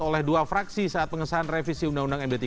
oleh dua fraksi saat pengesahan revisi undang undang md tiga